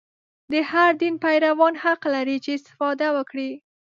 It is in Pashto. د هر دین پیروان حق لري چې استفاده وکړي.